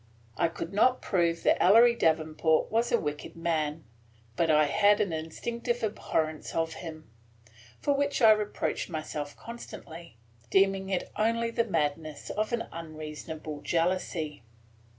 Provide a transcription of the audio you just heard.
I could not prove that Ellery Davenport was a wicked man but I had an instinctive abhorrence of him, for which I reproached myself constantly, deeming it only the madness of an unreasonable jealousy.